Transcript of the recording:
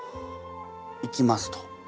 行きますと。